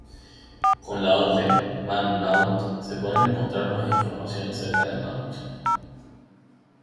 Con la orden "man mount" se puede encontrar más información acerca de "mount".